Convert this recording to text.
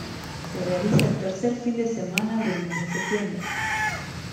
Se realiza el tercer fin de semana del mes de septiembre.